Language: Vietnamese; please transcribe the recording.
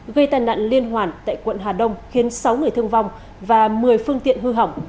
gây tàn nạn liên hoàn tại quận hà đông khiến sáu người thương vong và một mươi phương tiện hư hỏng